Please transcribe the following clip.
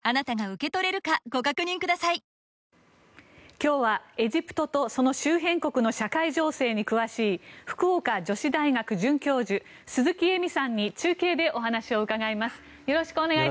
今日はエジプトとその周辺国の社会情勢に詳しい福岡女子大学准教授鈴木恵美さんに中継でお話を伺います。